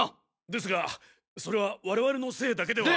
ですがそれは我々のせいだけでは。